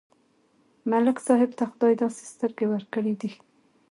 ملک صاحب ته خدای داسې سترګې ورکړې دي،